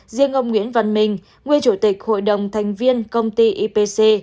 riêng ông nguyễn văn minh nguyên chủ tịch hội đồng thành viên công ty ipc